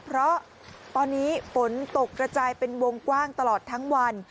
เพราะตอนนี้ฝนตกกระจายเป็นวงกว้างตลอดทั้งวัน